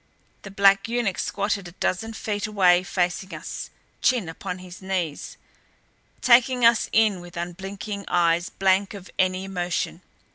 The black eunuch squatted a dozen feet away, facing us, chin upon his knees, taking us in with unblinking eyes blank of any emotion.